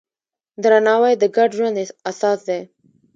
درناوی د ګډ ژوند اساس دی.